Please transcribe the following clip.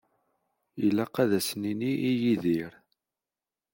Ilaq ad as-nini i Yidir.